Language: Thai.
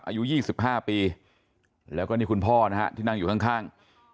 อายุ๒๕ปีแล้วก็นี่คุณพ่อนะฮะที่นั่งอยู่ข้าง